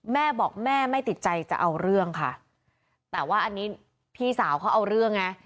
แม่บอกแม่ไม่ติดใจจะเอาเรื่องค่ะแต่ว่าอันนี้พี่สาวเขาเอาเรื่องไง